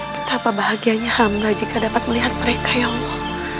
betapa bahagianya hamlah jika dapat melihat mereka ya allah